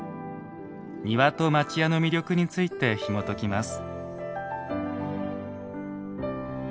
庭と町家の魅力についてひもときます。